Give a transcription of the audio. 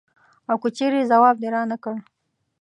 او که چېرې ځواب دې رانه کړ.